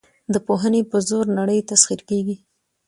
د پوهې په زور نړۍ تسخیر کړئ.